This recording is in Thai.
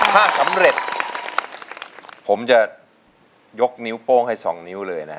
ถ้าสำเร็จผมจะยกนิ้วโป้งให้๒นิ้วเลยนะ